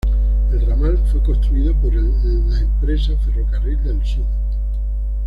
El ramal fue construido por el la empresa Ferrocarril del Sud.